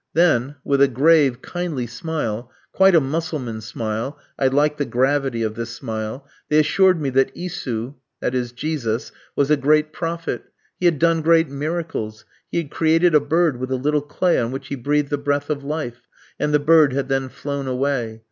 Then with a grave, kindly smile, quite a Mussulman smile (I liked the gravity of this smile), they assured me that Isu [Jesus] was a great prophet. He had done great miracles. He had created a bird with a little clay on which he breathed the breath of life, and the bird had then flown away.